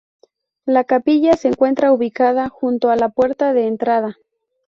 La capilla se encuentra ubicada junto a la puerta de entrada.